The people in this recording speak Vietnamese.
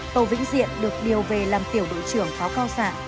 tô vĩnh diện được điều về làm tiểu đội trưởng pháo cao xạ